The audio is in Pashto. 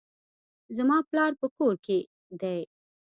زما پلار په کور کښي دئ.